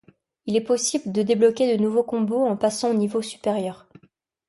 Il est possible de débloquer de nouveaux combos en passant au niveau supérieur.